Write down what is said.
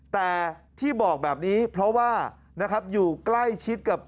แต่ที่บอกแบบนี้เพราะว่านะครับอยู่ใกล้ชิดกับ